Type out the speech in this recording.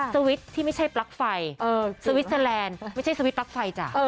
สวิคที่ไม่ใช่ปลั๊กไฟสวิสแลนด์ไม่ใช่สวิสปลั๊กไฟจ้ะ